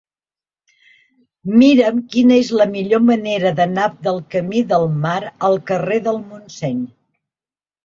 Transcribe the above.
Mira'm quina és la millor manera d'anar del camí del Mar al carrer del Montseny.